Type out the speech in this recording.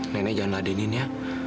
nenek janganlah denin ya